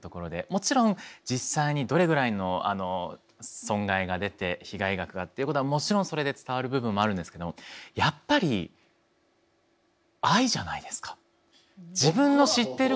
もちろん実際にどれぐらいの損害が出て被害額がっていうことはもちろんそれで伝わる部分もあるんですけども自分の知ってる方